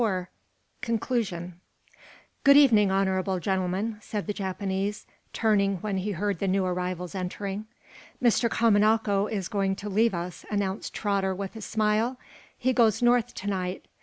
CHAPTER XXIV CONCLUSION "Good evening, honorable gentlemen," said the Japanese, turning when he heard the new arrivals entering. "Mr. Kamanako is going to leave us," announced Trotter, with a smile. "He goes north to night.